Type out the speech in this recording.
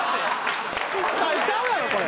死体ちゃうやろこれ。